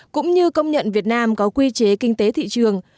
cũng như công nhận việt nam có quy chế kinh tế thị trường